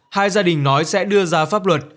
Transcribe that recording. hai gia đình nói sẽ đưa ra pháp luật